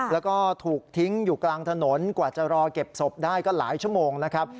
แล้วก็ถูกทิ้งอยู่กลางถนนกว่าจะรอเก็บศพได้ก็หลายชั่วโมงนะครับ